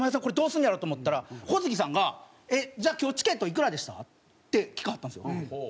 これどうすんねやろと思ったら小杉さんが「えっじゃあ今日チケットいくらでした？」って聞かはったんですよ。